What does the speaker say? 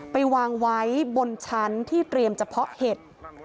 ไปวางไว้บนชั้นที่เตรียมเฉพาะเห็ด